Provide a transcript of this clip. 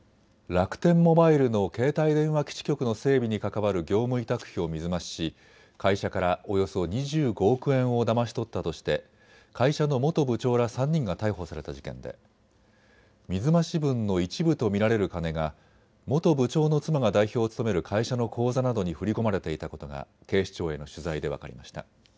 楽天モバイルの携帯電話基地局の整備に関わる業務委託費を水増しし会社からおよそ２５億円をだまし取ったとして会社の元部長ら３人が逮捕された事件で水増し分の一部と見られる金が元部長の妻が代表を務める会社の口座などに振り込まれていたことが警視庁への取材で分かりました。